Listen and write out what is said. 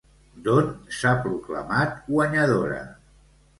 D'on s'ha proclamat guanyadora?